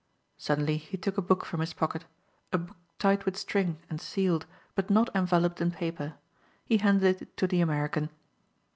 Suddenly he took a book from his pocket, a book tied with string and sealed but not enveloped in paper. He handed it to the American.